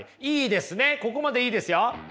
ここまでいいですよ。